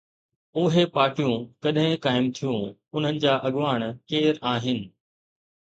اهي پارٽيون ڪڏهن قائم ٿيون، انهن جا اڳواڻ ڪير آهن؟